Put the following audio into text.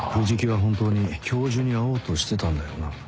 藤木は本当に教授に会おうとしてたんだよな？